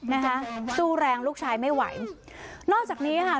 นะคะสู้แรงลูกชายไม่ไหวนอกจากนี้ค่ะ